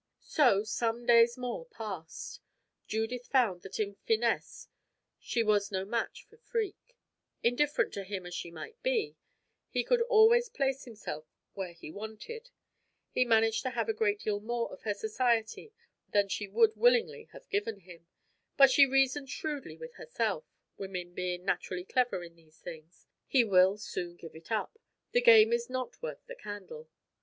So, some days more passed. Judith found that in finesse she was no match for Freke. Indifferent to him as she might be, he could always place himself where he wanted he managed to have a great deal more of her society than she would willingly have given him; but she reasoned shrewdly with herself women being naturally clever in these things: "He will soon give it up. The game is not worth the candle."